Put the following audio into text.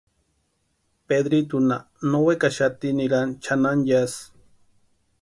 Pedritunha no wekaxati nirani chʼanani yásï.